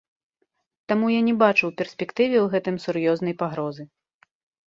Таму я не бачу ў перспектыве ў гэтым сур'ёзнай пагрозы.